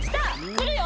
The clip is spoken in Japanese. くるよ！